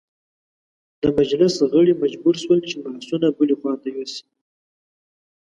د مجلس غړي مجبور شول چې بحثونه بلې خواته یوسي.